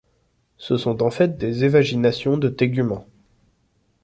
Ce sont en fait des évaginations de tégument.